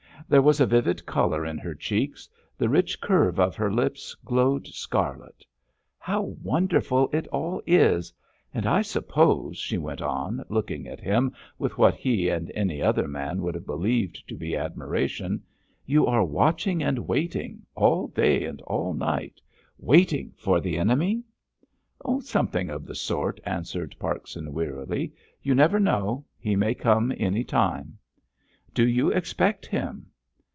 There was a vivid colour in her cheeks; the rich curve of her lips glowed scarlet. "How wonderful it all is—and, I suppose," she went on, looking at him with what he and any other man would have believed to be admiration, "you are watching and waiting, all day and all night—waiting for the enemy?" "Something of the sort," answered Parkson wearily. "You never know; he may come any time." "Do you expect him?"